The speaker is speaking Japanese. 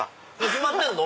決まってんの？